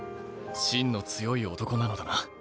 しんの強い男なのだな。